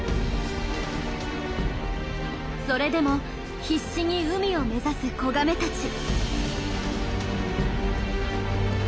それでも必死に海を目指す子ガメたち。